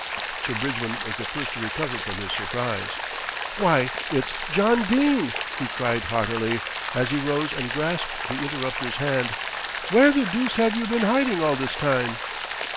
Sir Bridgman was the first to recover from his surprise. "Why, it's John Dene!" he cried heartily, as he rose and grasped the interrupter's hand. "Where the deuce have you been hiding all this time?"